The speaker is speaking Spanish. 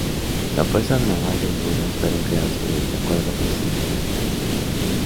La Fuerza Naval de Honduras, fueron creadas mediante acuerdo presidencial No.